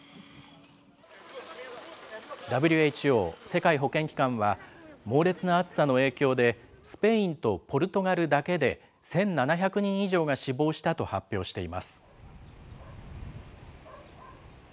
ＷＨＯ・世界保健機関は猛烈な暑さの影響で、スペインとポルトガルだけで１７００人以上が死亡したと発表しています。